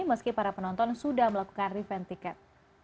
meski para penonton sudah melakukan refund tiket